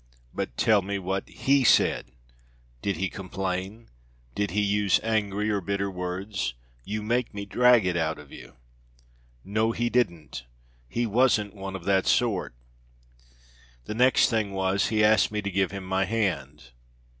But tell me what he said. Did he complain? did he use angry or bitter words? you make me drag it out of you." "No! he didn't! He wasn't one of that sort! The next thing was, he asked me to give him my hand.